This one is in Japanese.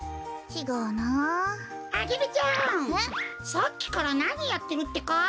さっきからなにやってるってか？